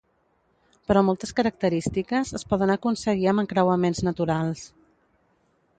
Però moltes característiques es poden aconseguir amb encreuaments naturals.